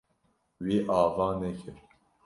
Wî ava nekir.